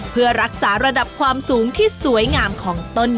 เพื่อรักษาระดับความสูงที่สวยงามของต้น